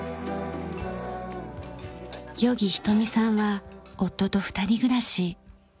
與儀ひとみさんは夫と二人暮らし。